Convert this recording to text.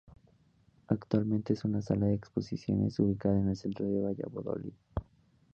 Actualmente es una sala de exposiciones ubicada en el centro de Valladolid.